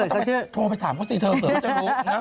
ก็ต้องไปถามเขาสิเธอเกิดว่าจะรู้นะ